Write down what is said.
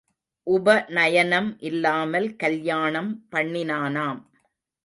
உபநயனம் இல்லாமல் கல்யாணம் பண்ணினானாம்.